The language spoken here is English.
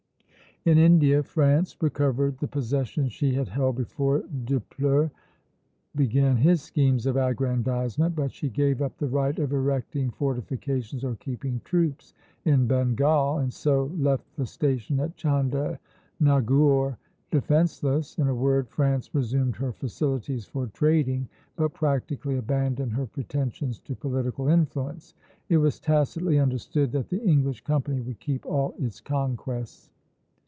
In India, France recovered the possessions she had held before Dupleix began his schemes of aggrandizement; but she gave up the right of erecting fortifications or keeping troops in Bengal, and so left the station at Chandernagore defenceless. In a word, France resumed her facilities for trading, but practically abandoned her pretensions to political influence. It was tacitly understood that the English company would keep all its conquests.